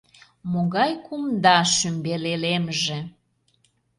Могай кумда шӱмбел элемже!..